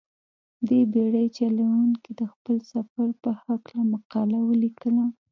دې بېړۍ چلوونکي د خپل سفر په هلکه مقاله ولیکله.